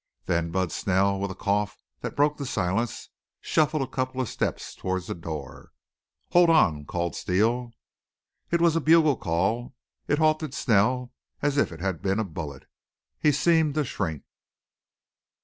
Then Bud Snell, with a cough that broke the silence, shuffled a couple of steps toward the door. "Hold on!" called Steele. It was a bugle call. It halted Snell as if it had been a bullet. He seemed to shrink.